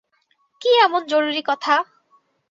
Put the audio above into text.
কী এমন জরুরি কথা?